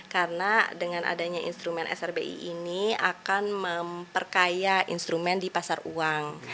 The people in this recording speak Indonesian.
karena dengan adanya instrumen srbi ini akan memperkaya instrumen di pasar uang